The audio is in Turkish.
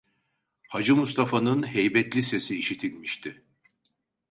Hacı Mustafa'nın heybetli sesi işitilmişti.